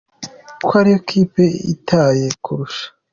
ko ariyo kipe ityaye kurusha